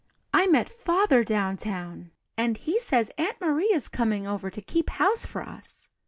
I met Father downtown, and he says Aunt Maria's coming over to keep house for us.